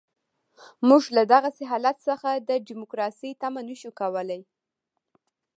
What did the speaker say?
موږ له دغسې حالت څخه د ډیموکراسۍ تمه نه شو کولای.